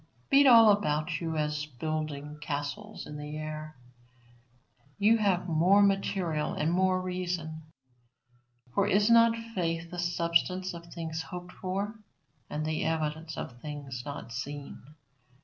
Beat all about you at building castles in the air; you have more material and more reason. For is not faith the substance of things hoped for, and the evidence of things not seen?